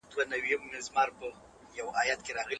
د اروپا تاريخ په مختلفو دورو باندې ويشل سوی دی.